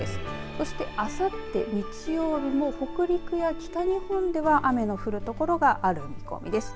そして、あさって日曜日も北陸や北日本では雨の降るところがある見込みです。